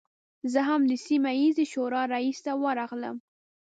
زه هم د سیمه ییزې شورا رئیس ته ورغلم.